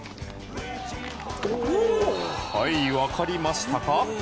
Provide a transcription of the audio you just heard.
分かりましたか？